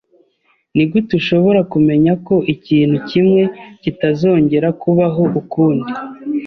Nigute ushobora kumenya ko ikintu kimwe kitazongera kubaho ukundi?